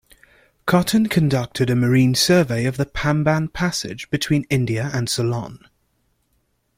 Cotton conducted a marine survey of the Pamban passage between India and Ceylon.